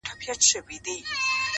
ما وې چې څنګه په ماښام سحر ته ورسېدم